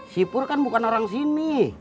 sipur kan bukan orang sini